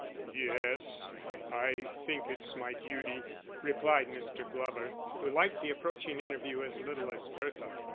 "Yes, I think it's my duty," replied Mr. Glover, who liked the approaching interview as little as Bertha.